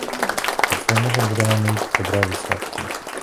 Doufejme, že budeme mít dobré výsledky.